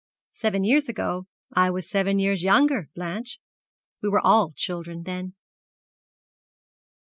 'Seven years ago I was seven years younger, Blanche. We were all children then.'